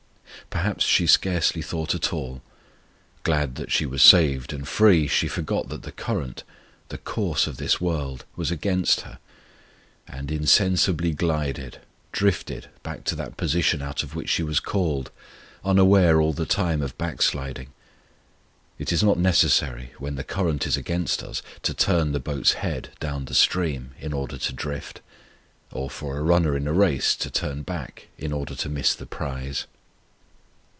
Perhaps she scarcely thought at all: glad that she was saved and free, she forgot that the current the course of this world was against her; and insensibly glided, drifted back to that position out of which she was called, unaware all the time of backsliding. It is not necessary, when the current is against us, to turn the boat's head down the stream in order to drift: or for a runner in a race to turn back in order to miss the prize.